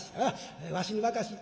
わしに任し。